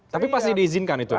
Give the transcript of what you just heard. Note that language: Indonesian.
tapi pasti diizinkan itu